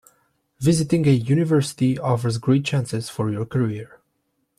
Visiting a university offers great chances for your career.